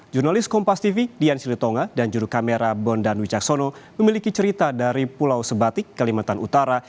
jurnalis kompas tv dian silitonga dan juru kamera bondan wicaksono memiliki cerita dari pulau sebatik kalimantan utara